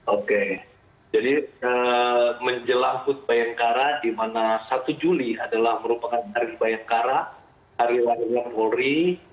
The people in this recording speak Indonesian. oke jadi menjelang hut bayangkara di mana satu juli adalah merupakan hari bayangkara hari raya polri